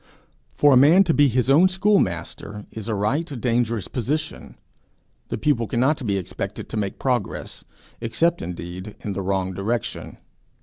For a man to be his own schoolmaster, is a right dangerous position; the pupil cannot be expected to make progress except, indeed, in the wrong direction.